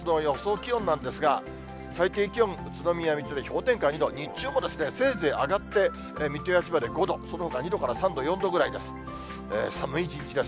気温なんですが、最低気温、宇都宮、水戸で氷点下２度、日中もせいぜい上がって、水戸や千葉で５度、そのほか２度から３度、４度ぐらいです。